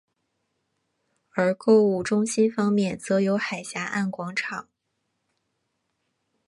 而购物中心方面则有海峡岸广场。